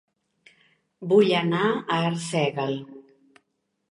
Vull anar a Arsèguel